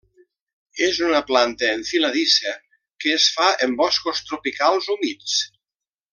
És una planta enfiladissa que es fa en boscos tropicals humits.